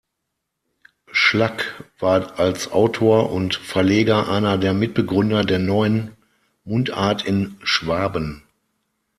Schlack war als Autor und Verleger einer der Mitbegründer der „Neuen Mundart in Schwaben“.